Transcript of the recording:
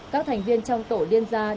các thành viên trong tổ liên gia an toàn